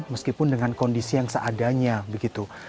meskipun dengan kondisi yang seadanya begitu